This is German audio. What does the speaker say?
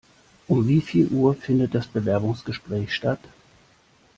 Um wie viel Uhr findet das Bewerbungsgesprach statt?